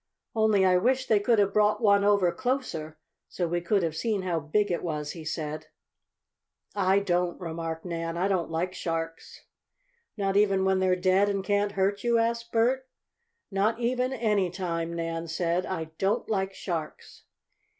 "Only I wish they could have brought one over closer, so we could have seen how big it was," he said. "I don't," remarked Nan. "I don't like sharks." "Not even when they're dead and can't hurt you?" asked Bert. "Not even any time," Nan said. "I don't like sharks."